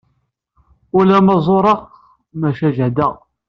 Ula ma zureɣ, maca jehdeɣ.